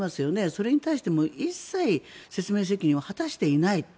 それに対しても一切説明責任を果たしていない。